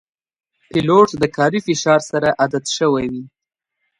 پیلوټ د کاري فشار سره عادت شوی وي.